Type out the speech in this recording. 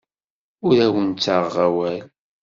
Ur awen-ttaɣeɣ awal.